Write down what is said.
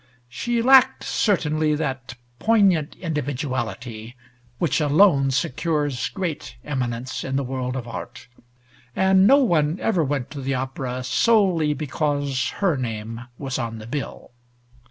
She lacked certainly, that poignant individuality which alone secures great eminence in the world of art, and no one ever went to the opera solely because her name was on the bill.